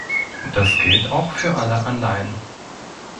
Das gilt auch für alle Anleihen.